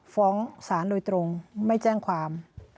ฟ้องศาลโดยตรงไม่แจ้งความ